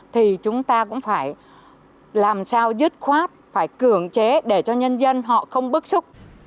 thì chúng ta cũng phải làm sao dứt khoát phải cưỡng chế để cho nhân dân họ không bức xúc